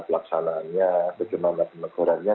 begitupun bagaimana penegurannya